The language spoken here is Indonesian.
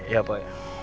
ya pak ya